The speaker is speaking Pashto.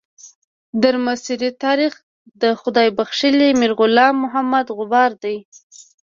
درمسیر تاریخ د خدای بخښلي میر غلام محمد غبار دی.